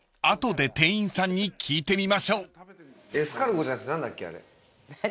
［あとで店員さんに聞いてみましょう］